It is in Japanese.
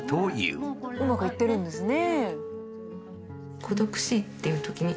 うまくいってるんですね。